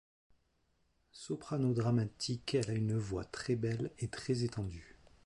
Soprano dramatique, elle a une voix de très belle et très étendue.